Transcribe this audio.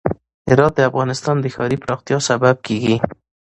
هرات د افغانستان د ښاري پراختیا سبب کېږي.